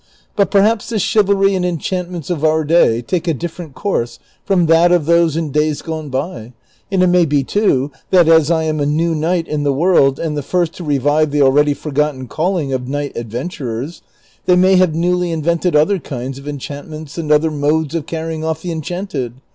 But perhaps the chivalry and enchantments of our day take a different course from that of those in days gone by; and it may be, too, that, as I am a new knight in the world, and the first to revive the already forgotten calling of knight adventurers, they may have newly invented other kinds of enchantments and other modes of carrying off the enchanted.